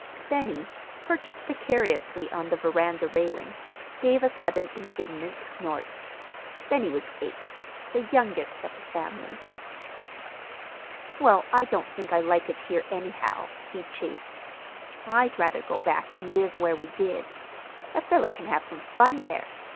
Benny, perched precariously on the veranda railing, gave a sudden indignant snort. Benny was eight, the youngest of the family. "Well, I don't think I like it here, anyhow," he chafed. "I'd rather go back an' live where we did. A feller can have some fun there.